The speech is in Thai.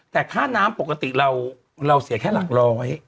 แต่ค่าน้ำปกติเราเสียแค่หลักร้อย